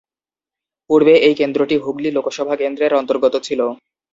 পূর্বে এই কেন্দ্রটি হুগলী লোকসভা কেন্দ্রের অন্তর্গত ছিল।